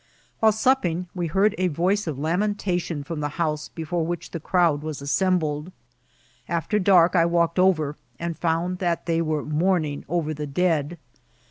While supping we heard a voice of lamentation from the house before which the crowd was assembled. Af ter dark I walked over, and found that they were mourn ing over the dead.